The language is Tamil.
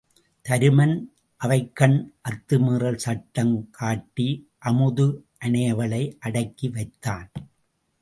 தருமன் அவைக்கண் அத்துமீறல் சட்டம் காட்டி அமுது அனையவளை அடக்கி வைத்தான்.